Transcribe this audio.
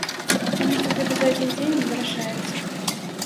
Таму што гэта за адзін дзень не вырашаецца.